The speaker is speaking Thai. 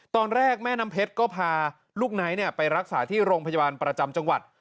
ตอนแรกแม่น้ำเพชรก็พาลูกไนท์ไปรักษาที่โรงพยาบาลประจำจังหวัด